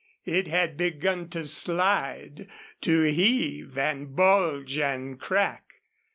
It had begun to slide, to heave and bulge and crack.